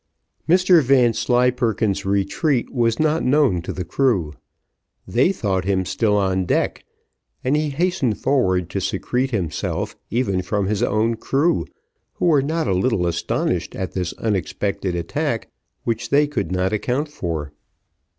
Mr Vanslyperken's retreat was not known to the crew, they thought him still on deck, and he hastened forward to secrete himself, even from his own crew, who were not a little astonished at this unexpected attack which they could not account for.